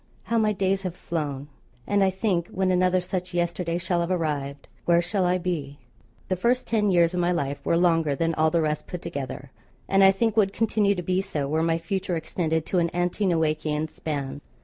How my days have flown! And I think when another such yesterday shall have arrived, where shall I be? The first ten years of my life were longer than all the rest put together, and I think would continue to be so were my future extended to an ante Noachian span.